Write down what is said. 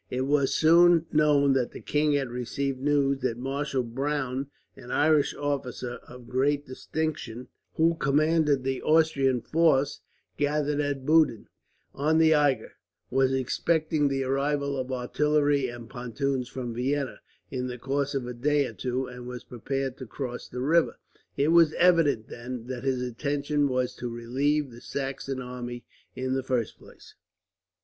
It was soon known that the king had received news that Marshal Browne an Irish officer of great distinction, who commanded the Austrian force gathered at Budin, on the Eger was expecting the arrival of artillery and pontoons from Vienna, in the course of a day or two, and was preparing to cross the river. It was evident, then, that his intention was to relieve the Saxon army, in the first place.